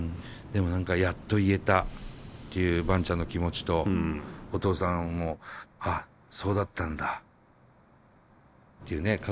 でも何かやっと言えたっていうバンちゃんの気持ちとお父さんもあっそうだったんだっていうね